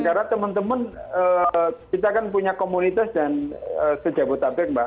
karena teman teman kita kan punya komunitas dan sejabut jabut mbak